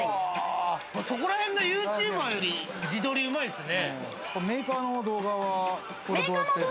そこらへんのＹｏｕＴｕｂｅｒより自撮り、うまいですね。